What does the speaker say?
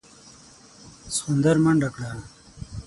سخوندر منډه کړه.